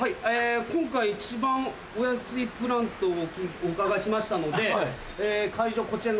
今回一番お安いプランとお伺いしましたのでこちら。